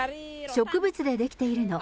植物で出来ているの。